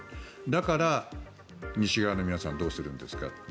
だから西側の皆さんどうするんですか？と。